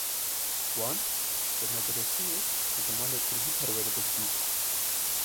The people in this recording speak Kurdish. Wan li medreseyê bi zimanê Kurdî perwerde didît.